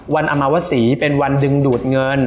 อมวสีเป็นวันดึงดูดเงิน